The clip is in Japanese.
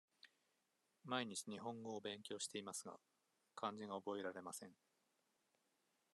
毎日日本語を勉強していますが、漢字が覚えられません。